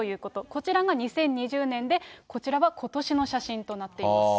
こちらが２０２０年でこちらはことしの写真となっています。